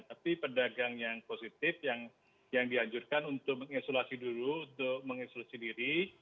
tapi perdagang yang positif yang dianjurkan untuk menginsulasi dulu untuk menginsulasi diri